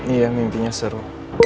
iya mimpinya seru